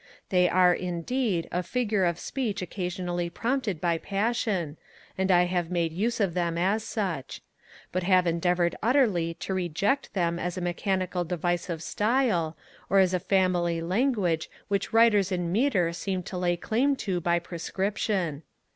They are, indeed, a figure of speech occasionally prompted by passion, and I have made use of them as such; but have endeavoured utterly to reject them as a mechanical device of style, or as a family language which Writers in metre seem to lay claim to by prescription.